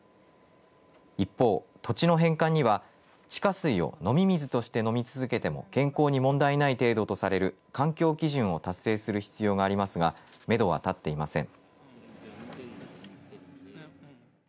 一方、土地の返還には地下水を飲み水として飲み続けても健康に問題ない程度とされる環境基準を達成する必要がありますがめどはたっていません。